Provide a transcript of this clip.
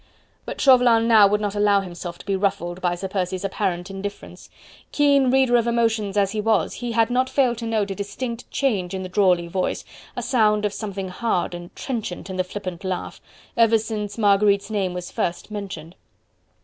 But Chauvelin now would not allow himself to be ruffled by Sir Percy's apparent indifference. Keen reader of emotions as he was, he had not failed to note a distinct change in the drawly voice, a sound of something hard and trenchant in the flippant laugh, ever since Marguerite's name was first mentioned.